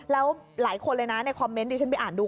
แล้วหลายคนเลยนะในคอมเมนต์ที่ฉันไปอ่านดู